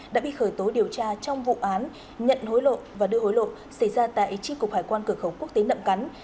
đã bị khởi tố điều tra trong vụ án nhận hối lộ và đưa hối lộ xảy ra tại tri cục hải quan cửa khẩu quốc tế nậm cắn